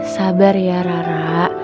sabar ya rara